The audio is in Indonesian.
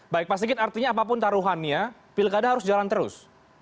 baik pak sigit artinya apapun taruhannya pilkada harus jalan terus